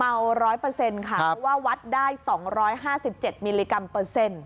๑๐๐ค่ะเพราะว่าวัดได้๒๕๗มิลลิกรัมเปอร์เซ็นต์